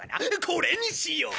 これにしよう。